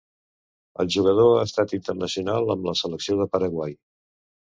El jugador ha estat internacional amb la selecció de Paraguai.